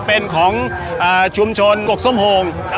เป็นของชุมชนกกส้มโฮง